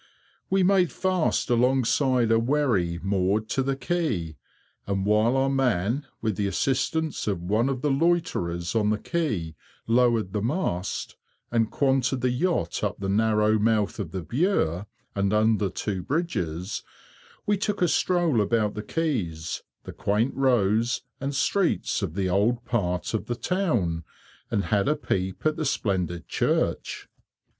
We made fast alongside a wherry moored to the quay, and while our man, with the assistance of one of the loiterers on the quay, lowered the mast, and quanted the yacht up the narrow mouth of the Bure and under two bridges, we took a stroll about the quays, the quaint "rows" and streets of the old part of the town, and had a peep at the splendid church.